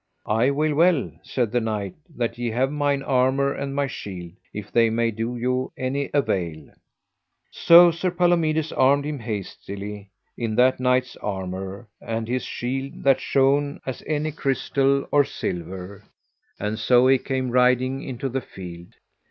I will well, said the knight, that ye have mine armour and my shield, if they may do you any avail. So Sir Palomides armed him hastily in that knight's armour and his shield that shone as any crystal or silver, and so he came riding into the field.